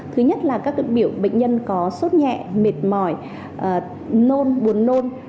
thứ nhất là các biểu bệnh nhân có sốt nhẹ mệt mỏi nôn buồn nôn